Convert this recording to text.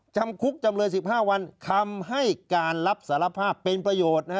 จำคุกจำเลย๑๕วันคำให้การรับสารภาพเป็นประโยชน์